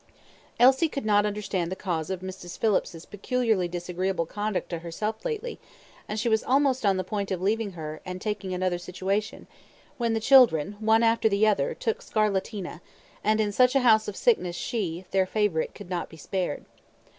Elsie could not understand the cause of Mrs. Phillips's peculiarly disagreeable conduct to herself lately, and she was almost on the point of leaving her, and taking another situation, when the children, one after the other, took scarlatina, and in such a house of sickness she their favourite could not be spared.